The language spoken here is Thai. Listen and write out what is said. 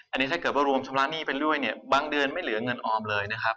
อันนี้ถ้าเกิดว่ารวมชำระหนี้ไปเรื่อยเนี่ยบางเดือนไม่เหลือเงินออมเลยนะครับ